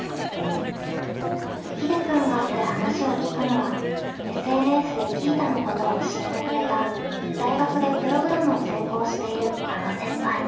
ひでくんが会って話を聞くのはＳＮＳでＱｉｉｔａのことを教えてくれた大学でプログラムを専攻しているあの先輩。